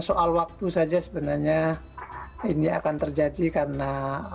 soal waktu saja sebenarnya ini akan terjadi karena